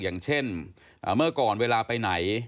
อย่างเช่นเมื่อก่อนเวลาไปไหน